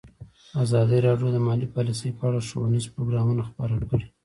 ازادي راډیو د مالي پالیسي په اړه ښوونیز پروګرامونه خپاره کړي.